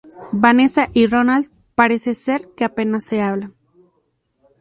Vanessa y Roland parece ser que apenas se hablan.